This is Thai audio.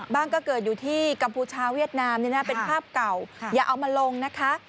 ก็เกิดอยู่ที่กัมพูชาเวียดนามเป็นภาพเก่าอย่าเอามาลงนะคะ